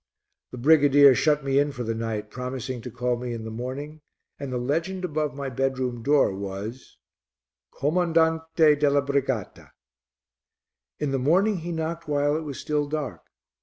The brigadier shut me in for the night, promising to call me in the morning, and the legend above my bedroom door was "Comandante della Brigata." In the morning he knocked while it was still dark.